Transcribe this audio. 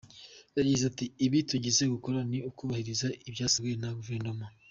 Yagize ati“Ibi tugiye gukora ni ukubahiriza ibyasabwe na Guverinoma.